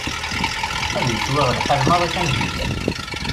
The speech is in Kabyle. Ad yettwiɣ lḥal maḍi tameddit-a.